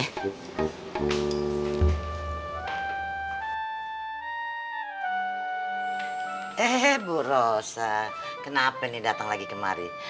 eh bu rosa kenapa nih dateng lagi kemari